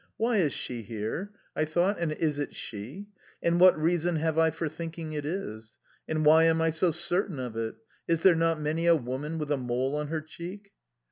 "Why is she here?" I thought. "And is it she? And what reason have I for thinking it is? And why am I so certain of it? Is there not many a woman with a mole on her cheek?"